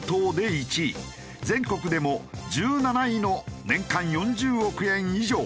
全国でも１７位の年間４０億円以上。